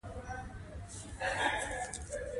مرجان خيل د اندړ قوم خاښ دی